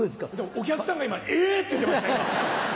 お客さんが今「え！」って言ってました。